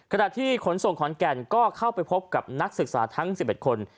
ขณะที่ขนส่งขอนแก่นก็เข้าไปพบกับนักศึกษาทั้ง๑๑คน